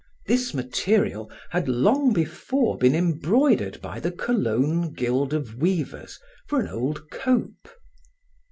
This material had long before been embroidered by the Cologne guild of weavers for an old cope.